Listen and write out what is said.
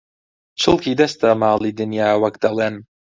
«چڵکی دەستە ماڵی دنیا» وەک دەڵێن